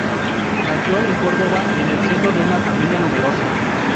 Nació en Córdoba en el seno de una familia numerosa.